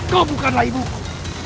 kau bukanlah ibuku